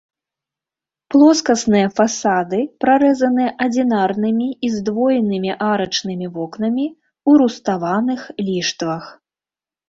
Плоскасныя фасады прарэзаны адзінарнымі і здвоенымі арачнымі вокнамі ў руставаных ліштвах.